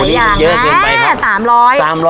โหนี่เยอะเกินไปครับ